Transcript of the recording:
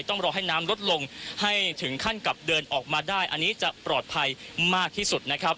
ต้องรอให้น้ำลดลงให้ถึงขั้นกับเดินออกมาได้อันนี้จะปลอดภัยมากที่สุดนะครับ